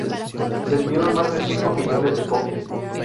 Vendieron más de cinco millones de copias.